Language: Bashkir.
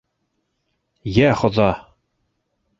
Йә хоҙа!